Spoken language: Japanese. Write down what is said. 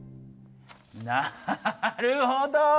なるほど。